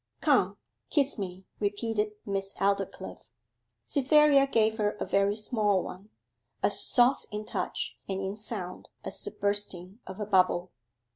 'Come, kiss me,' repeated Miss Aldclyffe. Cytherea gave her a very small one, as soft in touch and in sound as the bursting of a bubble.